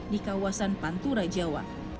di kawasan pantura jawa